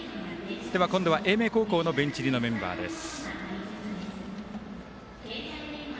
今度は英明高校のベンチ入りのメンバーです。